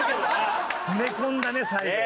詰め込んだね最後。